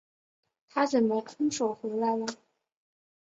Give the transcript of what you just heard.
他怎么空手回来了？